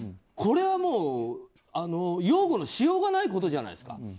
これはもう、擁護のしようがないことじゃないですか。